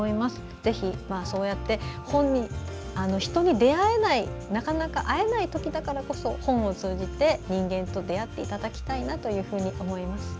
ぜひ、そうやって人に出会えないなかなか会えないときだからこそ本を通じて人間と出会っていただきたいなと思います。